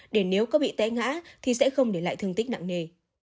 để nếu có bị té ngã thì sẽ không để lại thương tích nặng nề